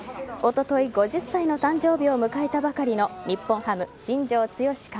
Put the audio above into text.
おととい、５０歳の誕生日を迎えたばかりの日本ハム・新庄剛志